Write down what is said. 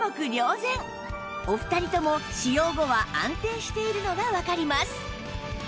お二人とも使用後は安定しているのがわかります